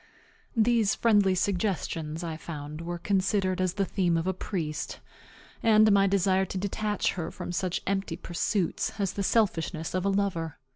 These friendly suggestions, I found, were considered as the theme of a priest, and my desire to detach her from such empty pursuits as the selfishness of a lover.